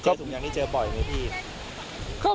ก็จุดยาตัวนะครับ